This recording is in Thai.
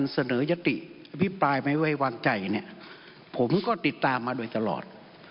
เสนอยติอภิปรายไม่ไว้วางใจเนี่ยผมก็ติดตามมาโดยตลอด